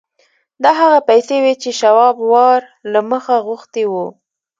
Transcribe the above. دا هغه پیسې وې چې شواب وار له مخه غوښتي وو